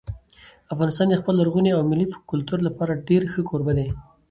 افغانستان د خپل لرغوني او ملي کلتور لپاره یو ډېر ښه کوربه دی.